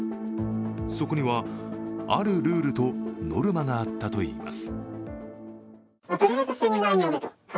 そこには、あるルールとノルマがあったといいます。